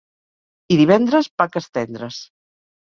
I divendres, vaques tendres.